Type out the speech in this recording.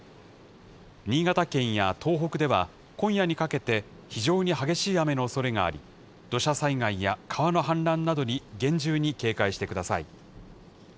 新潟県や東北では、今夜にかけて、非常に激しい雨のおそれがあり、土砂災害や川の氾濫などに厳重に警戒してください。